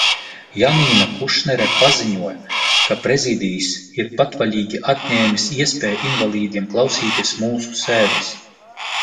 Janīna Kušnere paziņoja, ka Prezidijs ir patvaļīgi atņēmis iespēju invalīdiem klausīties mūsu sēdes.